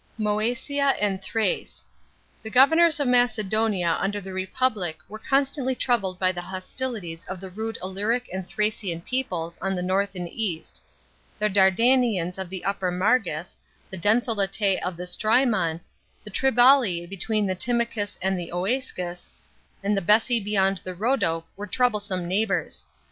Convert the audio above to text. § 12. MCESIA AND THRACK. — The governors of Macedonia under the Republic were constantly troubled by the hostilities of the rude Illyric and Thracian peoples on the north and east. The Dardanians of the upper Margus, the Dentheletas of the Strymon, the Triballi between the Timacus and the (Escus, the Bessi beyond Rhodope were troublesome neighbours.